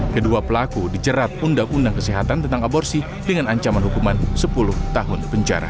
kedua pelaku dijerat undang undang kesehatan tentang aborsi dengan ancaman hukuman sepuluh tahun penjara